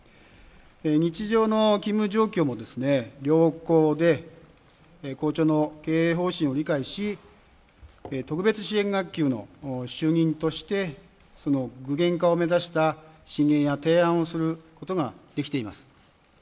日常の勤務状況も良好で、校長の経営方針を理解し、特別支援学級の主任として、具現化を目指した進言や提案をすることができています。